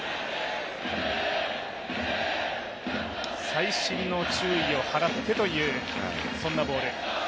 細心の注意を払ってというそんなボール。